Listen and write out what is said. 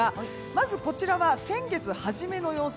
まず、こちらは先月初めの様子。